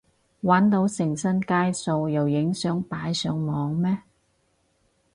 玩到成身街數又影相擺上網咩？